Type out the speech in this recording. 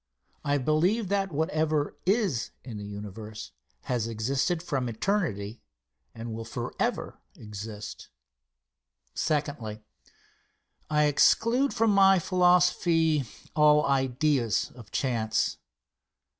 I believe that whatever is in the universe has existed from eternity and will forever exist. Secondly. I exclude from my philosophy all ideas of chance.